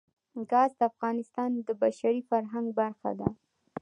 ګاز د افغانستان د بشري فرهنګ برخه ده.